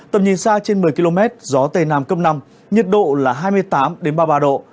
tầm nhìn xa trên một mươi km gió tây nam cấp năm nhiệt độ là hai mươi tám ba mươi ba độ